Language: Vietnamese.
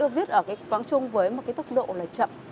viết ở cái quang trung với một cái tốc độ là chậm